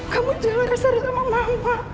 kamu jangan kasar sama mama